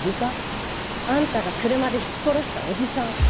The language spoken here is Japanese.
あんたが車でひき殺したおじさん。